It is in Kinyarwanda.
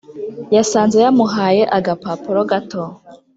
yasanze yamuhaye agapapuro gato